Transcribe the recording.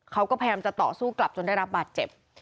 เขาก็พยายามจะต่อสู้กลับจนได้รับบาดเจ็บ